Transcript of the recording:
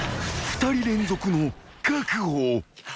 ［２人連続の確保］